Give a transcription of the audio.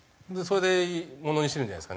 それでものにしてるんじゃないですかね。